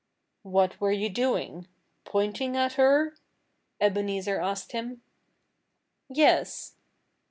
"What were you doing pointing at her?" Ebenezer asked him. "Yes!"